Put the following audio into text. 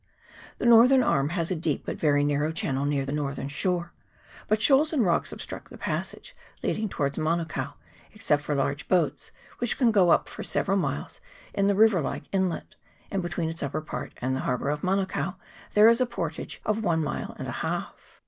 The northern arm has a deep but very narrow chan nel near the northern shore; but shoals and rocks obstruct the passage leading towards Manukao, ex cept for large boats, which can go up for several miles in the river like inlet, and between its upper part and the harbour of Manukao there is a portage of one mile and a half.